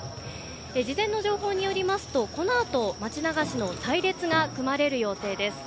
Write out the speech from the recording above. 事前の情報によりますとこのあと町流しの隊列が組まれる予定です。